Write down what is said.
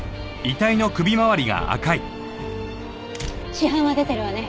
死斑は出てるわね。